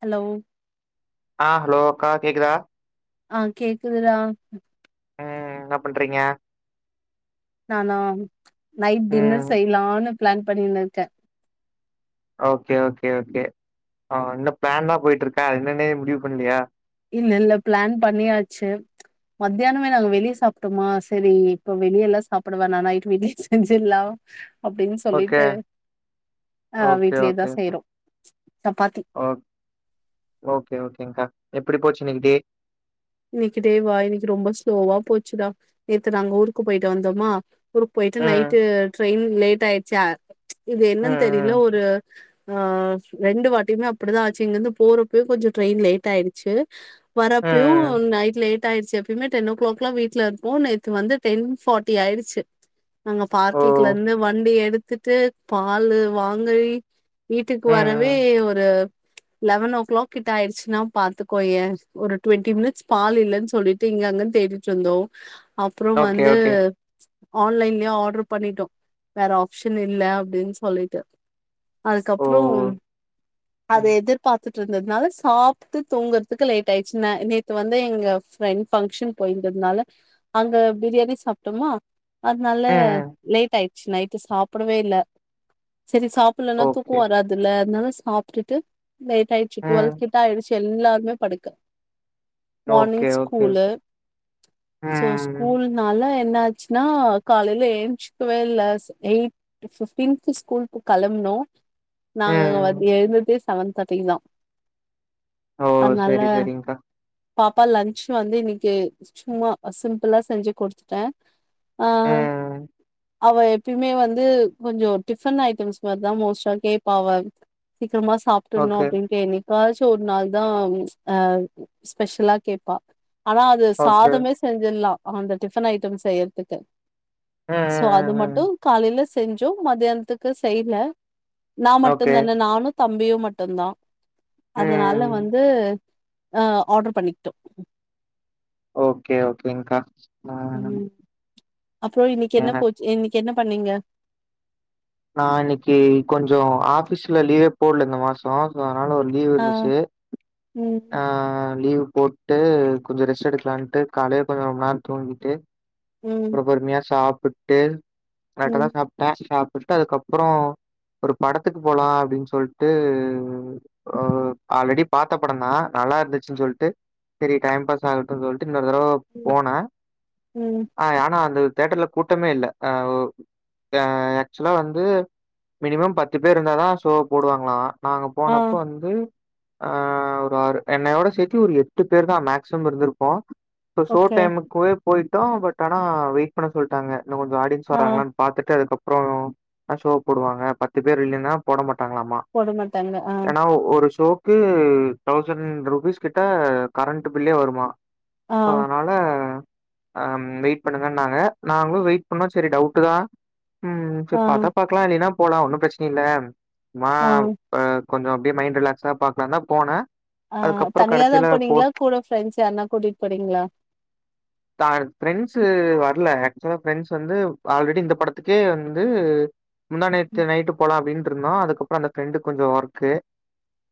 Hello ஆ hello அக்கா கேக்குதா ஆ கேக்குதுறா ம் என்ன பண்றிங்க நானா நைட் ம் டின்னர் செய்லான்னு பிளான் பண்ணிணுருக்கே ஓகே ஓகே ஓகே ஆ பிளான்லா போயிட்டுருக்க [unintelligible] இல்ல இல்ல பிளான் பண்ணியாச்சு மத்தயாணமே நாங்க வெளிய சாப்டோமா செரி இப்போ வெளியலா சப்டாவேண நெட் [unintelligible] அப்டின்னு ஓகே சொல்லிட்டு அ ஓகே வீட்லயேதா ஓகே செய்றோ சப்பாத்தி ஓ ஓகே ஓகேங்க்கா எப்டி போச்சினைக்குடே இன்னைக்கிட டேவே இன்னைக்கு ரொம்ப ஸ்லோவா போச்சுடா நேத்து நாங்க ஊருக்கு போய்ட்டு வந்தோமா ஊருக்கு போய்ட்டு ம் நைட்டு ட்ரெயின் லேட் ஆயுச்சு இது ம் என்னன்னு தெரில ம் ஒரு ஆஹ் ரெண்டு வாட்டியுமே அப்டிதான் ஆச்சு இங்கிருந்து போறப்ப கொஞ்சோ ட்ரெயின் லேட் ஆய்டுச்சு ம் வரப்பயு ம் நைட் லேட் ஆயிடுச்சு எப்பேமே டென் ஓ கிலாக்லா வீட்டுல இருப்போ நேத்து வந்து டென் ஃபாட்டி ஆயிடுச்சு அங்க ஓ பார்க்கிக்ல இருந்து வண்டி எடுத் துட்டு பாலு வாங்கி வீட்டுக்கு ம் வரவே ம் ஒரு லெவனோ கிளாக் கிட்ட ஆயிடுச்சுனா பாத்துக்கோயே ஒரு டுவென்டி மினிட்ஸ் பால் இல்லன் சொல்லிட்டு இங்க அங்கன் தேடிட்டுருந்தோ அப்றோ ஓகே வந்து ஓகே ஆன்லைன்லையே ஆடர் பண்ணிட்டோ வேற ஆப்ஷன் இல்ல அப்டின் சொல்லிட்டு ஓ அதுக்கப்புறோ அத ம் எதிர்பார்த் பாத்துட்ருந்ததுனால சாப்ட்டு தூங்கறதுக்கு லேட் ஆயிச்சு நா நே இப்ப வந்து எங்க ஃப்ரெண்ட் பங்க்ஷன் போயிருந்தனால அங்க பிரியாணி சாப்டோமா அதனால ம் ம் லேட் ஆயிட்ச்சு நைட்டு சாப்டவே இல்ல சரி சாப்லன்னா தூக்கு ஓகே வராதுல அதனால சாப்ட்டுட்டு லேட்டாய்ச்சு டுவெல் ம் கிட்ட ஆயிடுச்சு எல்லாருமே படுக்க morning okay okay school so ம் ஸ்கூல் நாள என்ன ஆச்சுன்னா காலில எந்திசுக்கவே இல்ல எயிட் பிப்ட்டின்க்கு ஸ்கூலுக்கு களம்புனும் நாங்க ம் எழுந்ததே செவன் தேர்ட்டிக்கு தா ஓ அதனால சரி சரிங்க்கா பாப்பா லஞ்ச் வந்து இன்னைக்கு சும்மா சிம்பிளா செஞ்சு குடுத்துட்டே ஆஹ் ம் அவ எப்பயுமே வந்து கொஞ்சம் டிபன் ஐட்டம்ஸ் மாரிதா மோஸ்டா கேட்பா அவ சீக்ரமா சாப்ட்டுணு ஓகே அப்டின்டு இனக் ஏதாச்சும் ஒரு நாள் தா அ ஸ்பெஷலா கேட்பா ஆனா அது ஓகே சாதமே செஞ்சிட்லா அந்த டிஃபன் ஐட்டம் செய்யறதுக்கு ம் சோ ம் அது ம் ம் மட்டும் காலைல செஞ்சும் மத்தியானத்துக்கு செய்ல நா மட்டும் ஓகே தானே நானும் தம்பியும் மட்டும்தா அதனால ம் வந்து ஆ ஆர்டர் பண்ணிக்கிட்டோம் ஓகே ஓகே ங்க்கா ஆ அப்றம் இன்னைக்கு என்ன எனக் போச்சு இன் என்ன பண்ணீங்க நா இன்னைக்கி கொஞ்சம் ஆபிஸ்ல லீவே போடல இந்த மாசம் நால ஒரு லீவ் ஆ இருந்துச்சு ஆ ம் லீவ் போட்டு கொஞ்ச ரெஸ்ட் எடுக்கலான்ட்டு காலையிலே கொஞ்ச ரொம்ப நேரோ தூங்கிட்டு ம் அப்புற பொறுமையா சாப் புட்டு நா இப்பதா ம் சாப்ட்ட சாப் விட்டதுக்கப்றோ ஒரு படத்துக்கு போலா அப்டின் சொல்ட்டு அ ஆல்ரெடி பாத்த படந்தா நல்லா இருந்துச்சுன் சொல்ட்டு செரி டைம் பாஸ் ஆகட்டு சொல் இன்னொரு தடவ ம் போன ம் அ ஆனா அது தேட்டர்ல கூட்டமே இல்ல ஆ அ ஆக்சுவலா வந்து மினிமம் பத்து பேர் இருந்தா தா ஷோ போடுவாங்களா நாங்க ஆ போனப்ப வந்து ஆஹ் அ ஒரு ஆறு பேர் என்னையோட சேத்தி ஒரு எட்டு பேரு தா மேக்சிமம் இருந்திருப்போம் ப்ப சோ ஓகே டைமக்கு ஓ போயிட்டோ பட் ஆனா வெயிட் பண்ண சொல்ட்டாங்க இன்னு கொஞ்ச ஆடியன்ஸ் ஆ வராங்களானு பாத்துட்டு அதுக்கப் அப்றோ தா ஷோ போடுவாங்க பத்து பேர் இல்லன்னா போட மாட்ட டாங்களாமா போட மாட்டாங்க ஆ ஏன்னா ஒரு ஷோ ம்ம் தௌசண்ட் ருபீஸ் கிட்ட கரண்ட் பில்லே வருமா ஆ அதனால ஆ வெயிட் பண்ணுங்கன்னாங்க நாங்களும் வெயிட் பண்ணோம் சரி டவுட்டு் தா ம் ஆ சரி பாத்தா பாக்கலா இல்லின்னா போலாம் ஒன்னும் பிரச்சனி இல்ல மா ஆ அ கொஞ்ச அப்டியே மைண்ட் ரிலாக்ஸா பாக்கலா தா போனே அ தனியா தா போனீங்களா கூட ஃப்ரெண்ட்ஸ் யார்னா கூட்டிட்டு போனீங்களா இல்ல ஆக்சுவலா ப்ரெண்ட்ஸ் வந்து ஆல்ரெடி இந்த படத்துக்கே வந்து முந்தா ம். நேத்து நைட்டு போலா அப்டின்னு ருந்தோம் அதுக்கப்பற அந்த ப்ரெண்டு் கொஞ்ச ஒர்க்கு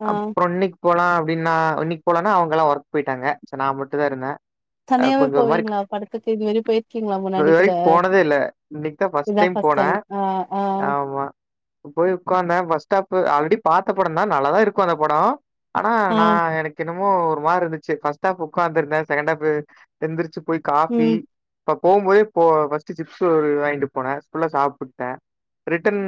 ஆ அப்புறம் இன்னி போலாம் அப்டீன்னா இன்னிக் போலனா அவுங்களா ஒர்க் போயிட்டாங்க சரி நா மட்டு தா இருந்தேன் அ தனியாவே கொஞ்சம் ஒரு மாரி போவீங்களா படத்துக்கு இது மாரி போயிருக்கீங்களா முன்னாடி கூட இதுவரைக்கும் போனதே இல்ல. இன்னைக்கு தான் ஃபர்ஸ்ட் இதா பர்ஸ்ட் டைம் ஆஹ் ஆஹ் ப்ப போய் உக்க்காந்தே பஸ் ஸ்டாப் ஆல்ரெடி பாத்த படம் தா நல்லா தா இருக்கோ அந்த படம் ஆனா ஆ நா எனக்கு என்னமோ மோ ஒரு மாரி இருந்துச்சு ஃபர்ஸ்ட் ஆஃப் உக்காந்திருந்தேன் செகண்ட் ஆஃப்பு எந்திரிச்சு போயி ம் காபி பப் போம்போதே போ ஃபர்ஸ்ட்டு சிப்ஸ் ஒரு வாங்கிட்டு போனே ஃபுல்லாக சாப்புட்டேன் ரிட்டன்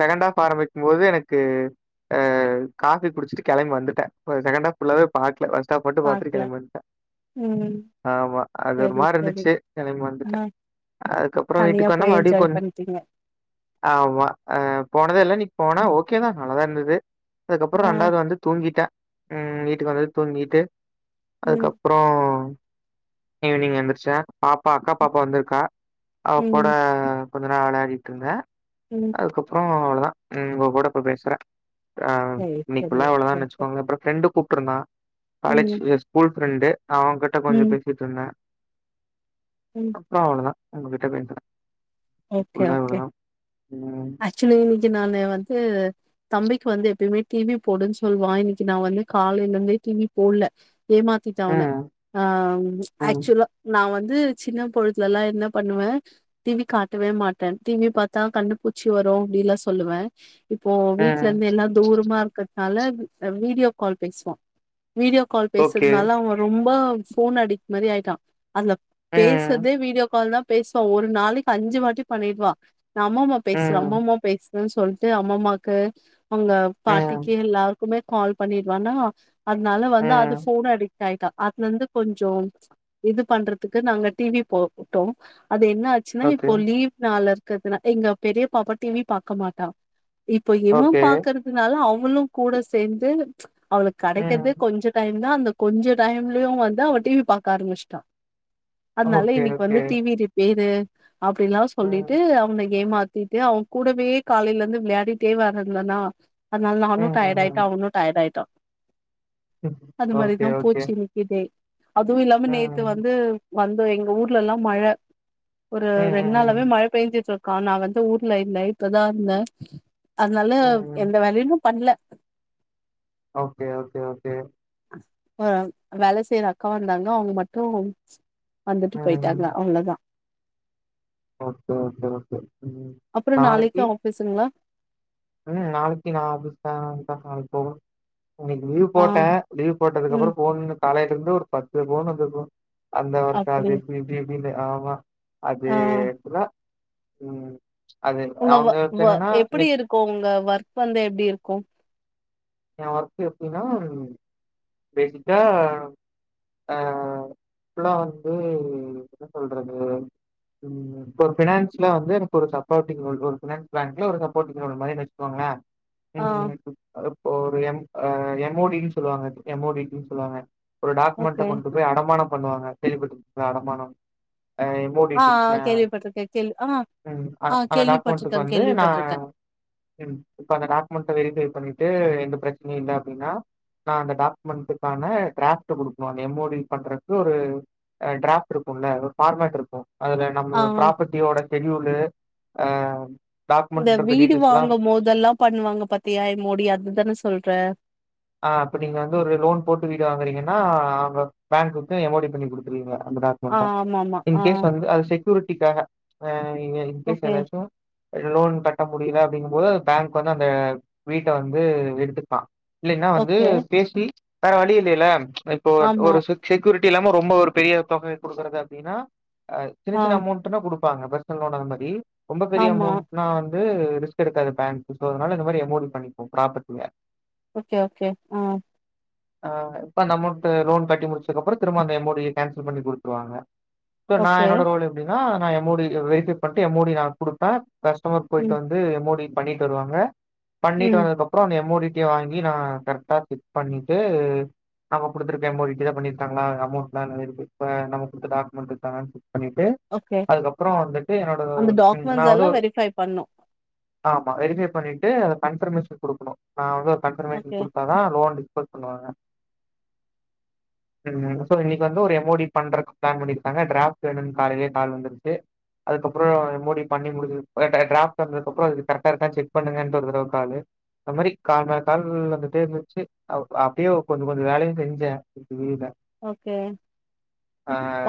செகண்ட் ஆஹஃ ஆரம்பிக்கு போது எனக்கு காஃபி குடிச்சிட் கெளம்பி வந்துட்டே செகண்ட் ஆப் ஃபுல்லாவே பாக்கல ஃபர்ஸ்ட் ஆஃப் மட்டும் பாத்துட்டு பாக்கல கெளம்பி வந்ட்டே ம் ஆமா அது ஒரு சரி மாரி சரி இருந்துச்சு கெளம்பி வந்துட்டே ஆ அதுக்கப்புறம் தனியா வீட்டுக்கு வந்து போய் மறுபடியும் என்ஜாய் கொஞ் பண்ட்டீங்க ஆமா அ போனதே இல்ல இன்னிக்கு போன ஓகே தா நல்லாதா இருந்தது ஆ அதுக்கப்பறம் ரெண்டாவது வந்து ட்டே உம் வீட்டுக்கு வந்து தூங்கிட்டு ம் அதுக்கப்பறம் ஈவினிங் வந்துருச்சா பாப்பா அக்கா பாப்பா வந்திருக்கா அவக்கூட ம் கொஞ்ச நேர வெளயாடிட்டு இருந்த ம் அதுக்கப்பறம் அவ தா, ம் உங்க கூட இப்ப பேசுற ஆ, சரி இன்னைக்கி சரி ஃபுல்லா அவ்ளதா ஓகே ஓகே சொல்லுங்க அப்பற ஃப்ரண் ஃப்ரண்டு கூப்ட்டு இருந்தா ம் கலேஜ் எ ஸ்கூல் ஃப்ரெண்டு அவ கிட்ட கொஞ்சோ ம் பேசிட்டு இருந்தே ம் அப்றோ அவ்வளதா உங்ககிட்ட பேசுற ஓகே ஓகே ம் ஆக்சுவலி இன்னைக்கு நானு வந்து தம்பிக்கு வந்து எப் பயுமே டிவி போடுன்னு சொல்லுவா இன்னைக்கி நா வந்து காலைல இருந்தே டிவி போட்ல ஏமாத்திட அவன ம் ஆ ம் ஆக்ஸ்சுவலா நா வந் து சின்ன பொழுதுலல்லா என்ன பண்ணுவ டிவி காட்டவே மாட்டே டிவி பாத்தா கண்ணு பூ ச்சி வரு அப்டில்லா சொல்லுவே இப்போ வீட்ல ம் இருந்து எல்லா தூரமா இருக்க அழகு வீடியோ கால் பேசும் வீடியோ கால் ஓகே பேசுறதுனால அவன் ரொம்ப ரொம்ப போன் அடிக்ட் மாரி ஆயிட்டான் அதுல ம் பேசுறத வீடியோ கால் தான் பேசுவான் ஒரு நாளைக்கு அஞ்சு வாட்டி பண்ணிடுவான் நம்ம பேசு ம் ரொம்பமோ பேசு ம் சொல்லிட்டு அம்மம்மாக்கு அவுங்க ம் பாட்டிக்கு எல்லாருக் இந்த மாரி கால் பண்ணிடுவானா அதனால வந்து அது ம் ஃபோன் அடிக்ட் ஆயிட்டா அதுலருந்து கொஞ்ச இது பண்றதுக்கு நாங்க டிவி போட்டோ அது என்ன ஆச்சுன்னா ஓகே இப்போ லீவ் நாள்ள இரு [unintelligible] எங்க பெரிய பாப்பா டிவி பாக்க மாட்டா என் பையனும் ஓகே பாக்கறதுனால அவுங் அவளும் கூட சேந்து ச் அவளுக்கு ம் கெடைக்கறதே கொஞ்ச டைம் தா அந்த கொஞ்ச டைம்லயும் வந்து அவ டி வி பாக்க ஆரம்பிச்ட்டா அதுனால ஓகே, இன்னைக்கி ஓகே. வந்து டி வி ரிப்பேரு அப்டின்லாம் ம். சொல்லிட்டு அவன கேம் ஆ சுத்திட்டு அவன் கூடவே காலேல இருந்து விளையாடிட்டே வேற இருந்தனா அதுனால நானும் ம், டயட் ஆய்டேன் ம், அவனு டயட் ஆய்ட்டான் ம். அது ஓகே, மாரிதான் ஓகே. போச்சு இன்னிக்கி டே அதுவும் இல்லாம நேத்து ம். வந்து வந்தோம் எங்க ஊர்லல்லாம் மழ ஒரு ம், ரெண்டு ம், நாளாவே ம். மழ பேஞ்சிச்சோ கா நா வந் து ஊர்ல இல்ல இப்பதான் வந்தே அதுனால ம், ம். எந்த வேலையும் பண்ல ஓகே ஓகே ஓகே ஆஹ் வேல செய்யற அக்கா வந்தாங்க அவுங்க மட்டும் வந்துட்டு ம். போய்ட்டாங்கா அவ்ளோதான் ஓகே ஓகே ஓகே ம் அப்புறோ நாளைக்கு நாளக்கி ஆஃபீஸுங்களா உம் நாளைக்கி நான் ஆபீஸ் தான் அன் [unintelligible] போகணும் இன்னைக்கு லீவ் ஆ போட்டேன் லீவ் ம் போட்டதுக்கப்புறம் போனு காலேல இருந்து ஒரு பத்து போனு வந்துருக்கும் அந்த வெர்க்கு அது அப்படி இப்டி இப்டி இப்டி னு ஆமா அது ஆ [unintelligible] உம் அது அவுங்க வொர்க் என்னன்னா இன்னிக் கு உங்க ஒர்க் வந்து எப்டி இருக்கும் என் ஒர்க் எப்டின்னா பேசிக்கா அஹ் ஃபுல்லா வந்து என்ன சொல்றது இப்ப ஒரு பினான்ஸ்லா வந்து எனக்கு ஒரு சப்போர்டிங் ரோல் ஒரு பினான்ஸ் பேங்க்ல ஒரு சப்போர்ட்டிங் ரோல் மாரி வச்சுக்கோங்களேன் ஆ உம் உம் அது எம் எம் ஓ டினு சொல்லுவாங்க எம் ஓ டி டினு சொல்லுவாங்க ஒரு டாக்குமண்ட ஓகே கொண்டு போய் அடமானம் பண்ணுவாங்க கேள்விப்பட்டிருக்கீங்களா அடமானம் எம் ஓ டி ஆ டி ஆஹ் கேள்விப்பட்டிருக்கே கேள்வி ஆ ம் அ ஆ அந்த டாக்மண்டக்கு கேள்விப்பட்டிருக்கே வந்து நா கேள்விப்பட்டிருக்கே ம் இப்ப அந்த டாக்குமண்ட் வெரிஃபை பண்ணி எந்த பிரச்சனை இல்லைனா அப்படினா அந்த டாகுமெண்ட்கான ட்ராஃப்ட் குடுப்பாங்க எம் ஓ டி பண்றதுக்கு ஒரு ட்ராஃப்ட் இருக்குல பார்மட் இருக்கோ அதுல ஆ நம்ம ப்ராப்பர்டியோட செடியயூலு ஆ இந்த வீடு வாங்கும் போதெல்லா பண்ணுவாங்க பாத்தியா எம் ஓ டி அது த்தான சொல்ற ஆஹ் அப்படி நீங்க வந்து ஒரு லோன் போட்டு வீடு வாங்குறீங்கன்னா அவுங்க பேங்க்குக்கும் எம் ஓ டி பண்ணி குடுத்துருவீங்க அந்த ஆ டாக்மென்ட் ஆமா ஆமா ஆ இ்ன்கேஸ் வந்து அது செ செக்யூரிட்டிக்காக ஆ நீங்க இன்கேஸ் ஓகே எதாச்சோ லோன் கட்ட முடியுல அப்படிங்கும் போது பேங்க் வந்து அந்த வீட்ட வந்து எடுத்துப்பா இல்லன்னா வந்து ஓகே பேசி வேற வழி இல்லையல்ல இப்போ ஆமா ஒரு செக்யூரிட்டி இல்லாம ரொம்ப ரொம்ப ஒரு பெரிய தொகையை கொடுக்குறது அப்படின்னா சின்ன ஆ சின்ன அமௌண்ட்னா கொடு இருப்பாங்க பர்சனல் லோன் அது மாரி ரொம்ப பெரிய ஆமா அமௌன்ட்னா ரிஸ்க் எடுக்காது பேங்கோ அதனால இந்த மாதிரி எமோடி பண்ணிப்போம் ப்ராபட்டில ஓகே ஓகே ஆ ஆஹ் இப்ப அமௌண்ட் லோன் கட்டி முடிச்சது அப்புறோ திரும்ப அந்த அமௌண்ட் கேன்சல் பண்ணி குடுத்துறறுவாங்க சோ நான் ஓகே என்னோட ரோல் எப்டீனா நான் எம்மோடி வெரிஃபை பண்ணிட்டு எம்மோடி நா குடுப்ப கஸ்டமர் போயிட்டு ம் வந்து எம்மோடி பண்ணி தருவாங்க பண்ணிட்டு ம் வந்தது அப்புறோ அந்த எம்மோடி இங்யே வாங் ந கரெக்டா செக் பண்ணிட்டு நாங்க குடுத்திருக்க எம் ஓ டி க்ளியர் பண்ணிருக்காங்களா அமௌண்ட்லா [unintelligible] நாம குடுத்த டாகுமெண்டு பண்ணிட்டு ஓகே அதுகப்பறோ வந்துட்டு அந்த நா டாக்குமெண்ட்ஸ் எல்லா வந்து வெரிஃபை பண்ணு வெரிஃபை பண்ணிட்டு கன்பர்மேஷன் குடுக்கணோ நான் வந்து கன்பர்மேஷன் ஓகே குடுத்தாதா லோன்க்கு இன்னைக்கு வந்து ஒரு எம் ஓ டி பன்றதுக்கு பிளான் பன்னிருக்காங்க டிராஃப்ட் வேணும்ன்னு காலையிலே கால் வந்துருச்சு. அதுக்குப்புறம் முடி பண்ணி முடிச்சுருக்கோம். டிராஃப்ட் வந்ததுக்கப்புறம் இதை கரெக்டா இருக்கானு செக் பண்ணுங்கள்ன்ட்ட ஒரு தடவ காலு. அந்த மாதிரி காலா கால் வந்துட்டே இருந்துச்சு அப்படியே கொஞ்சம் கொஞ்சோ வேலையும் செஞ்சேன் லீவுல okay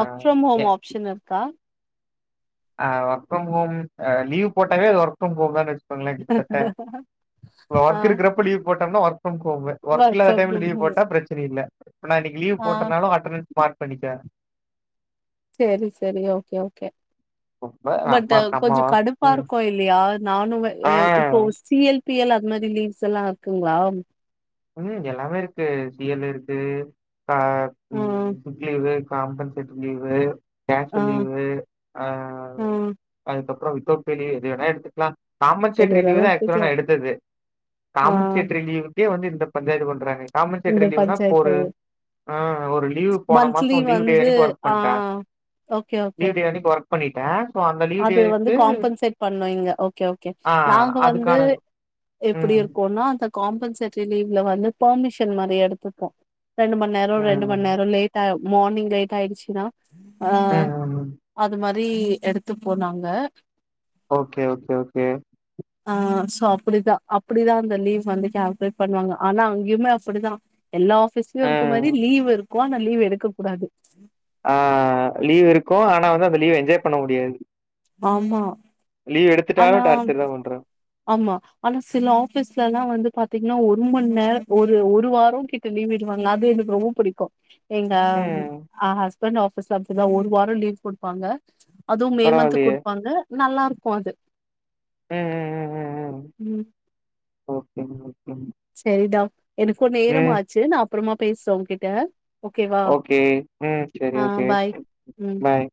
work from home option இருக்கா ஆ ஒர்க் ஃபிரம் ஹோம் லீ் போட்டாவே ஒர்க் ஃப்ரம் ஹோம் தான லே கிட்டத்தட்ட ஆ ஒர்க் இருக்கறப்ப லீவ் போட்டம்னா ஒர்க் ஃப்ரம் ஹோமு ஒர்க் இல்லாத ஃப்ரம் டைம்ல லீவ் ஹோம் போட்டா ப்ரச்சனை இல்ல இப்ப நா இன்னைக்கு லீவ் ஆ போட்டனாலு அட்டெணன்ஸ் மார் பண்ணிட்ட செரி செரி ஓகே ஓகே ரொம்ப பட் நம்ம நம்ம கொஞ்ச ம் கடுப்பாருக்கு இல்லயா நானுங்க ஆ எ இப்போ சி எல் பி எல் அது மாதிரி லீவ்ஸ் எல்லா இருக்குங்ளா ம் எல்லாமே இருக்கு சி எல் இருக்கு ஆ ம் சிக் லீவு காம்பன்சேட்டு லீவு ஆ கேஷுவல் லீவு அ ஆ அதுக்கப் அப்ரோ விதோட் பே லீவு எதுவென எடுத்துக்கலா எது காம்பன்சேட்ரி வேணாலு லீவு தா ஆக்சுவ்லா எடுத்துக்கலா நா எடுத்தது ஆ காம்பன்சேட்ரி லீவ் எ வந்திரு இப்ப பஞ்சாயத்து பண்றாங்க காம்பன்செட்ரி இந்த லீவ்னா இப்ப பஞ்சாயத்து ஒரு அது அ ஒரு லீவ் போன மந்த்லி மாசோ லீவ் டே வந்து அன்னக்கி ஒர்க் ஆ பண்ட்ட ஓகே ஓகே லீவ் டே அன்னக்கி ஒர்க் பண்ணிட்ட அது வந்து காம்பன்சேட் பண்ணொ இங்க ஓகே ஓகே ஆ நாங்க வந்து அதுக்கான எப்பிடி ம் இருக்கோனா அது காம்பன்செட்ரி லீவ்ல வந்து பர்மிஷன் மாரி எடுத்துப்போ ரெண்டு மண் நேரம் ரெண்டு மண் ம் நேரம் லேட் ஆகு மார்னிங் லேட் ஆயிடுச்சுனா ம் அஹ் ம் அது மாரி ரீ எடு த்து போனாங்க ஓகே ஓகே ஓகே அப்படிதா அப்படிதா அந்த லீவ் வந்து கேல்குலேட் பண்றாங்க ஆனா அங்கேயுமே அப்படிதா எல்லா ஆபீஸ்லயும் இருக்கும் ம் மாரி லீவ் இருக் க்குவான லீவ் எடுக்க கூடாது ஆஹ் ஆஹ் லீவ் இருக்கும் ஆனா வந்து அந்த லீவ் என்ஜாய் பண்ண முடியாது வாமா லீவ் எடுத்துட்டாலும் டார்ச்சர் தா பண்றாங்க ஆமா ஆனா சில ஆபீஸ் ஆபீஸ்ல வந்து பாத்தீங்கன்னா ஒரு மணி நேர ஒரு ஒரு வாரம் கிட்ட லீவ் இடுவாங்க அது எனக்கு ரொம்ப புடிக்கும் எங்க ம் அஹ் ஹஸ் இப்பந்த ஆபீஸ் [inaudible] தா ஒரு வாரோ லீவ் குடுப்பாங்க அதுவும் மே மந்த் பரவாயில்லையே! குடுப்பாங்க நல்லா இருக்கும் அது ம் ம் ம் ம் செரிதான் எனக்கும் நேரம் ம் ஆச்சு நான் அப்புறமா பேசுறோ உங்ககிட்ட ஓகே ம் சரி ஓகே பாய் ம் பாய்